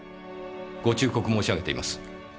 ご忠告申し上げています。